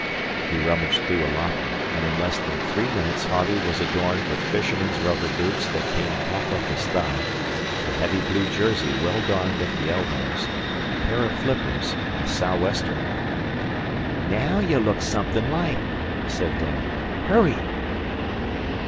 He rummaged through a locker, and in less than three minutes Harvey was adorned with fisherman's rubber boots that came half up his thigh, a heavy blue jersey well darned at the elbows, a pair of nippers, and a sou'wester. "Naow ye look somethin' like," said Dan. "Hurry!"